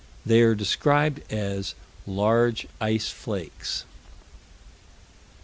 They are described as "large ice flakes."